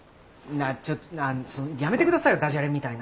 なっちょっやめてくださいよダジャレみたいな。